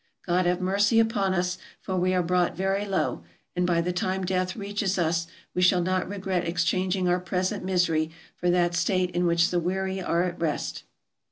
God have mercy upon us, for we are brought very low, and by the time death reaches us we shall not regret exchanging our present misery for that state in which the weary are at rest.